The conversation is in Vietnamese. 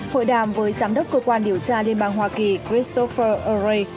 hội đàm với giám đốc cơ quan điều tra liên bang hoa kỳ christopher orey